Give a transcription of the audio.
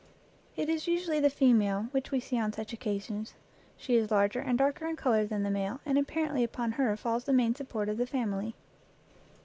It is usually the female which we see on such occasions; she is larger and darker in color than the male, and apparently upon her falls the main support of the family.